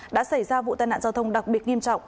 đã xảy ra vụ tai nạn giao thông đặc biệt nghiêm trọng